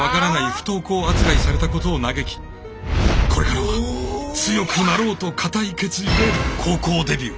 不登校扱いされたことを嘆きこれからは強くなろうと固い決意で高校デビュー。